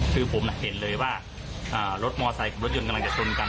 คือผมเห็นเลยว่ารถมอไซค์กับรถยนต์กำลังจะชนกัน